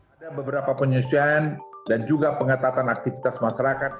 ada beberapa penyusian dan juga pengatatan aktivitas masyarakat